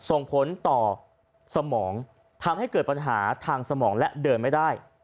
ส่งผลต่อสมองทำให้เกิดปัญหาทางสมองและเดินไม่ได้